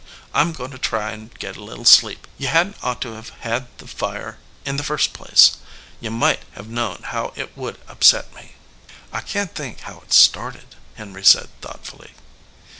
"I m goin to try and get a little sleep. You hadn t ought to have had the fire in the first place. You might have known how it would upset me." "I can t think how it started," Henry said, thoughtfully.